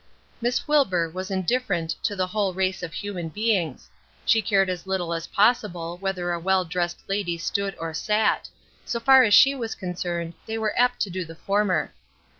Miss Wilbur was indifferent to the whole race of human beings; she cared as little as possible whether a well dressed lady stood or sat; so far as she was concerned they were apt to do the former.